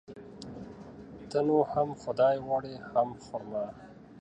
ته نو هم خداى غواړي ،هم خر ما.